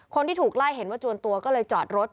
คนที่ถูกไล่เห็นว่าจวนตัวก็เลยจอดรถ